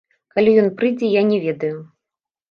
Калі ён прыйдзе, я не ведаю.